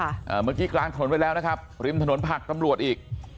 เมื่อกี้กลางถนนไว้แล้วนะครับริมถนนผักตำรวจอีก